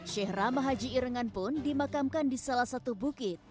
syekh rahmah haji irengan pun dimakamkan di salah satu bukit